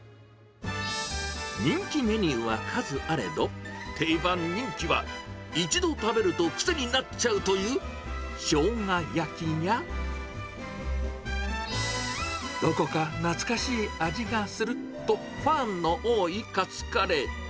人気メニューは数あれど、定番人気は一度食べるとくせになっちゃうという、しょうが焼きや、どこか懐かしい味がすると、ファンの多いカツカレー。